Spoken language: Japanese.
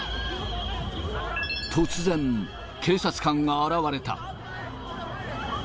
突然、警察官が現れた。